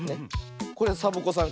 これサボ子さん